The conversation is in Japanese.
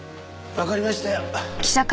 わかりましたよ。